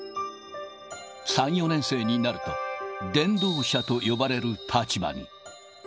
３、４年生になると、伝道者と呼ばれる立場に。